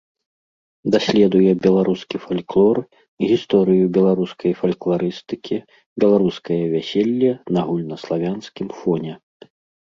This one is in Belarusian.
Даследуе беларускі фальклор, гісторыю беларускай фалькларыстыкі, беларускае вяселле на агульнаславянскім фоне.